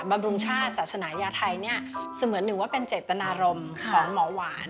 บำรุงชาติศาสนายาไทยเนี่ยเสมือนหนึ่งว่าเป็นเจตนารมณ์ของหมอหวาน